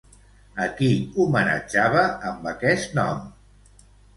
A qui homenatjava amb aquest nom?